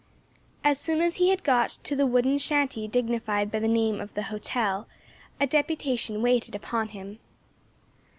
As soon as he had got to the wooden shanty dignified by the name of the "hotel," a deputation waited upon him.